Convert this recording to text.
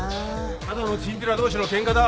ただのちんぴら同士のケンカだ。